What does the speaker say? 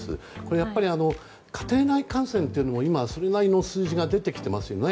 やっぱり家庭内感染も今、それなりの数字が出てきていますよね。